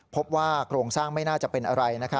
พบว่าโครงสร้างไม่น่าจะเป็นอะไร